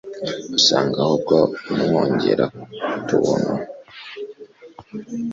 usanga ahubwo amwongera utuntu